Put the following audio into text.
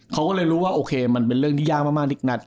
เขาก็เลยรู้ว่าโอเคมันเป็นเรื่องที่ยากมากนัก